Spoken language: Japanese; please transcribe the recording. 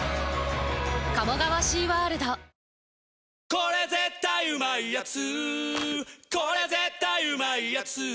これ絶対うまいやつ」